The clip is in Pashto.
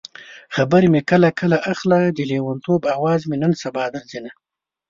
خبر مې کله کله اخله د لېونتوب اواز مې نن سبا درځينه